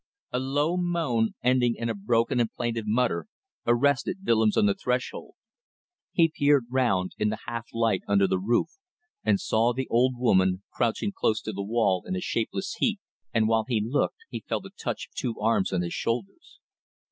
A low moan ending in a broken and plaintive mutter arrested Willems on the threshold. He peered round in the half light under the roof and saw the old woman crouching close to the wall in a shapeless heap, and while he looked he felt a touch of two arms on his shoulders.